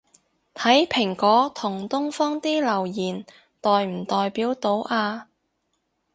睇蘋果同東方啲留言代唔代表到吖